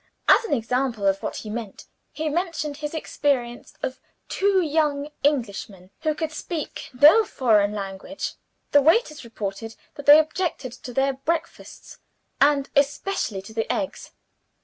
As an example of what he meant, he mentioned his experience of two young Englishmen who could speak no foreign language. The waiters reported that they objected to their breakfasts, and especially to the eggs.